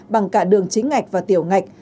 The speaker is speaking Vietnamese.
bằng cả đường chính ạch và tiểu ạch